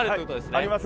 あります。